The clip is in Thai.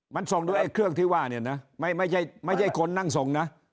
มันส่งโดยไอ้เครื่องที่ว่าเนี่ยนะไม่ใช่คนนั่งส่งนะ